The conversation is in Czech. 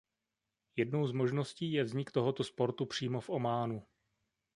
Jednou z možností je vznik tohoto sportu přímo v Ománu.